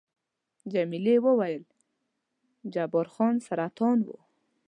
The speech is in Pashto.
جميلې وويل:، جبار خان سرطان وو؟